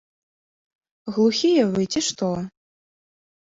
Глухія вы, ці што?